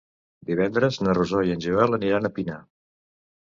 Divendres na Rosó i en Joel aniran a Pina.